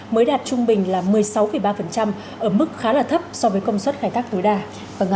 mới đạt trung bình là một mươi sáu ba ở mức khá là thấp so với công suất khai thác tối đa